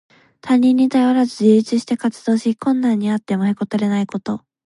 他人に頼らず自立して活動し、困難にあってもへこたれないこと。